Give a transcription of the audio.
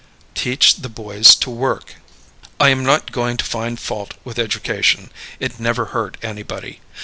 Teach the Boys to Work. I am not going to find fault with education; it never hurt anybody.